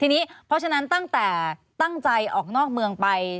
ทีนี้เพราะฉะนั้นตั้งแต่ตั้งใจออกนอกเมืองไป